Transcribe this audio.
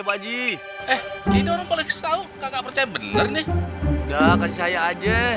baji eh ini orang boleh tahu kagak percaya bener nih udah kasih saya aja